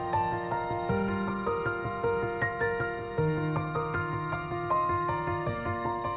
ทุกนายเย็นของใหญ่ไว้เป็นมรดกโภคแก่ลูกจานถือต่อไป